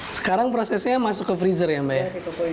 sekarang prosesnya masuk ke freezer ya mbak ya